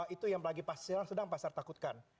itu yang lagi sedang pasar takutkan